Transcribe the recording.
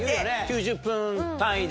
９０分単位で。